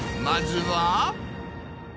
まずは。